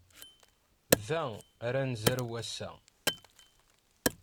Da ara nezrew ass-a.